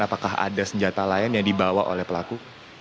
apakah ada senjata lain yang dibawa oleh pelaku